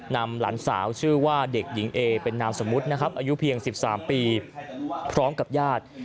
นำหลานสาวชื่อว่าเด็กหญิงเอเป็นนามสมมุตินะครับอายุเพียง๑๓ปีพร้อมกับญาติ